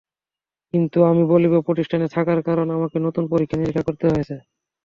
কিন্তু আমি বলব, প্রতিষ্ঠানে থাকার কারণে আমাকে নতুন পরীক্ষা-নিরীক্ষা করতে হয়েছে।